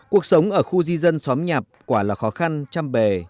cuộc sống ở khu di dân xóm nhạp quả là khó khăn chăm bề